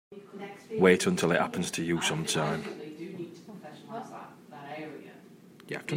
Wait until it happens to you sometime.